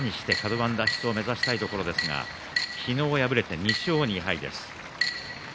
カド番脱出を目指したいところですが昨日、敗れて２勝２敗です。